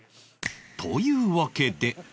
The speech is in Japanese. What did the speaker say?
というわけで